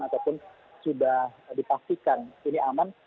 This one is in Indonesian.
ataupun sudah dipastikan ini aman